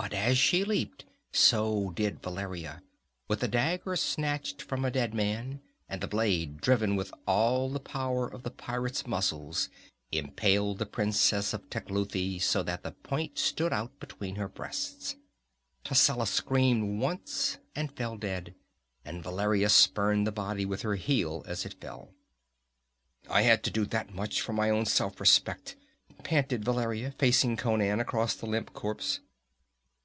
But as she leaped, so did Valeria, with a dagger snatched from a dead man, and the blade, driven with all the power of the pirate's muscles, impaled the princess of Tecuhltli so that the point stood out between her breasts. Tascela screamed once and fell dead, and Valeria spurned the body with her heel as it fell. "I had to do that much, for my own self respect!" panted Valeria, facing Conan across the limp corpse.